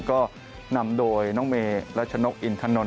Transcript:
ก็นำโดยน้องเมรัชนกอินทนนท